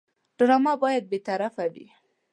ډرامه باید بېطرفه وي